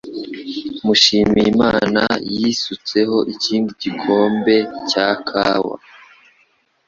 Mushimiyimana yisutseho ikindi gikombe cya kawa.